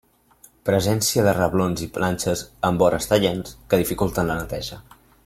Presència de reblons i planxes amb vores tallants que dificulten la neteja.